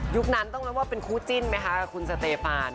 นั้นต้องเรียกว่าเป็นคู่จิ้นไหมคะกับคุณสเตฟาน